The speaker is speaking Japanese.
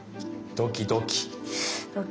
ドキドキ。